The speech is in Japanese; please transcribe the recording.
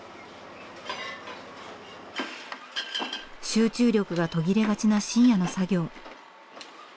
集中力が途切れがちな深夜の作業。